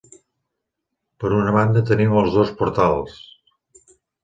Per una banda tenim els dos portals.